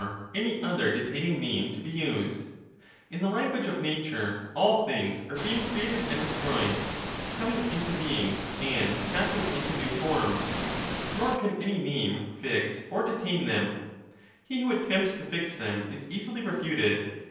any other detaining name to be used; in the language of nature all things are being created and destroyed, coming into being and passing into new forms ; nor can any name fix or detain them ; he who attempts to fix them is easily refuted.